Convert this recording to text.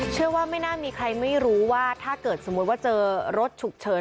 ไม่น่ามีใครไม่รู้ว่าถ้าเกิดสมมุติว่าเจอรถฉุกเฉิน